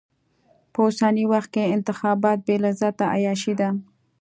په اوسني وخت کې انتخابات بې لذته عياشي ده.